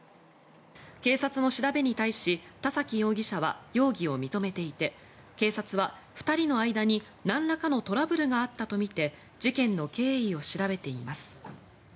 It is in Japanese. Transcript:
警察の調べに対し田崎容疑者は容疑を認めていて警察は２人の間になんらかのトラブルがあったとみて事件の経緯を調べています。